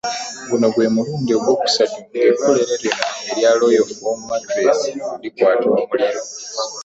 Guno gwe mulundi ogwokusatu ng'ekkolero lino erya Royal Foam mattress likwata omuliro.